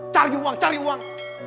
cari uang cari uang